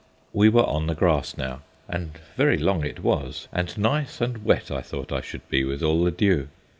We were on the grass now, and very long it was, and nice and wet I thought I should be with all the dew.